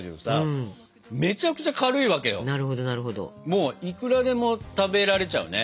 もういくらでも食べられちゃうね。